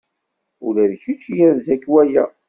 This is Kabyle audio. Ula d kečč yerza-k waya.